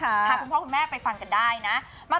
พาคุณพ่อคุณแม่ไปฟังกันได้นะ